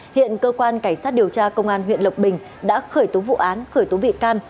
hiện cơ quan cảnh sát điều tra công an huyện lộc bình đã khởi tố vụ án khởi tố bị can